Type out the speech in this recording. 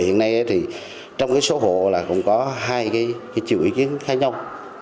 hiện nay thì trong cái số hộ là cũng có hai cái triệu ý kiến khác nhau